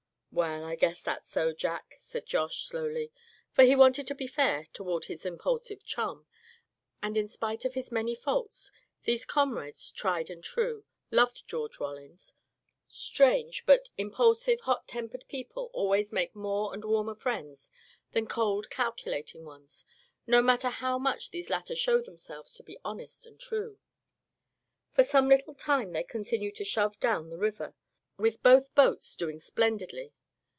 "Well, I guess that's so, Jack," said Josh, slowly, for he wanted to be fair toward his impulsive chum; and in spite of his many faults, these comrades, tried and true, loved George Rollins; strange, but impulsive, hot tempered people always make more and warmer friends than cold, calculating ones, no matter how much these latter show themselves to be honest and true. For some little time they continued to shove along down the river, with both boats doing splendidly.